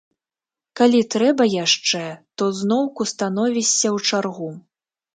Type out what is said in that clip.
Калі трэба яшчэ, то зноўку становішся ў чаргу.